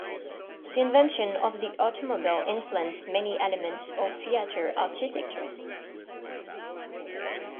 The invention of the automobile influenced many elements of theater architecture.